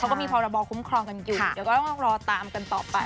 เขาก็มีพรบคุ้มครองกันอยู่เดี๋ยวก็ต้องรอตามกันต่อไป